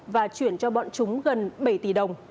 và chuyển cho bọn chúng gần bảy tỷ đồng